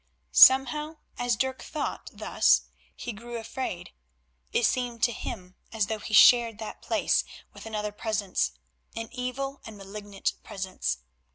Somehow as Dirk thought thus he grew afraid; it seemed to him as though he shared that place with another presence, an evil and malignant presence.